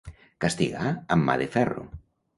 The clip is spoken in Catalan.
Castigar amb mà de ferro.